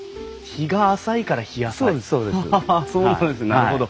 なるほど。